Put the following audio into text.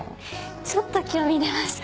ちょっと興味出ました。